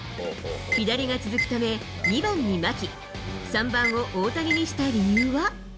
左が続くため、２番に牧、３番を大谷にした理由は。